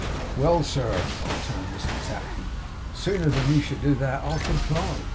'Well, sir,' returned Mr Tapley, 'sooner than you should do that, I'll com ply.